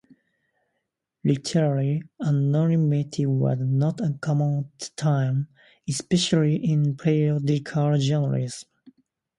Literary anonymity was not uncommon at the time, especially in periodical journalism.